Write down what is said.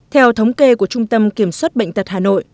theo thống kê của trung tâm kiểm soát bệnh tật hà nội